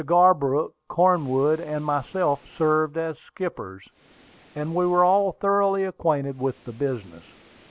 Garbrook, Cornwood, and myself served as skippers, and we were all thoroughly acquainted with the business.